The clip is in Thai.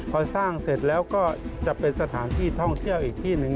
พอสร้างเสร็จแล้วก็จะเป็นสถานที่ท่องเที่ยวอีกที่หนึ่ง